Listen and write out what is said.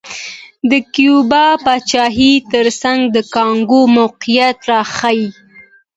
د کیوبا پاچاهۍ ترڅنګ د کانګو موقعیت راښيي.